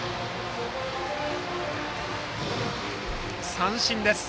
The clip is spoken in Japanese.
三振です。